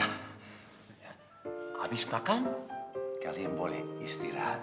habis makan kalian boleh istirahat